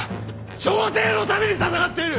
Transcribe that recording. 朝廷のために戦っている！